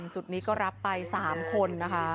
จุดนี้ก็รับไป๓คนนะคะ